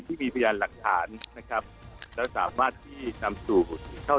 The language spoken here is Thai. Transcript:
ที่มีพยานหลักฐานนะครับแล้วสามารถที่นำสู่เข้า